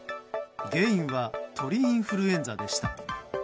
原因は鳥インフルエンザでした。